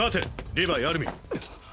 リヴァイアルミン。